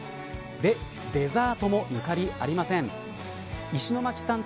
で、デザートも抜かりありません。